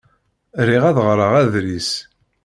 Riɣ ad ɣreɣ adlis.